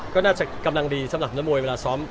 ก็น่าจะกำลังดีสำหรับนักมวยเวลาซ้อม